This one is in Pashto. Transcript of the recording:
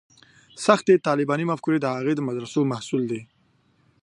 سختې طالباني مفکورې د هغو مدرسو محصول دي.